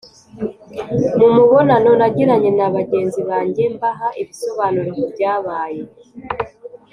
mu mubonano nagiranye na bagenzi banjye mbaha ibisobanuro ku byabaye,